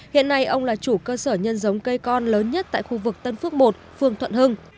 hiện nay ông là chủ cơ sở nhân giống cây con lớn nhất tại khu vực tân phước một phường thuận hưng